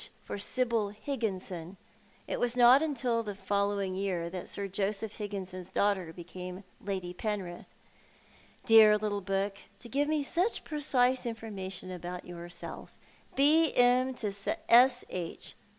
for Sibyl Higginson. It was not till the following year that Sir Joseph Higginson's daughter became Lady Penrith. Dear little book, to give me such precise information about yourself. " B. M. to S. H."